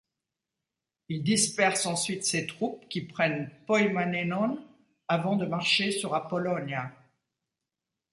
Il disperse ensuite ses troupes qui prennent Poimanenon avant de marcher sur Apollonia.